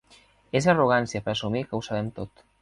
És arrogància per assumir que ho sabem tot.